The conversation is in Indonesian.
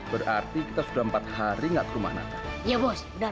berarti kita sudah empat hari nggak ke rumah natal